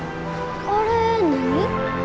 あれ何？